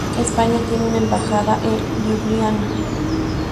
España tiene una embajada en Liubliana.